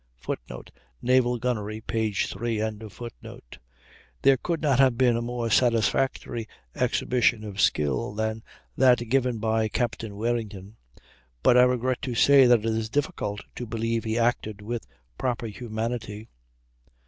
[Footnote: "Naval Gunnery," p. 3.] There could not have been a more satisfactory exhibition of skill than that given by Captain Warrington; but I regret to say that it is difficult to believe he acted with proper humanity.